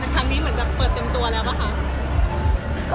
ครั้งนี้เหมือนจะเปิดเต็มตัวแล้วป่ะคะ